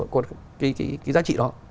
cái giá trị đó